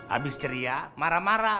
abis ceria marah marah